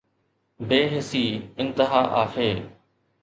بي حسي انتها آهي.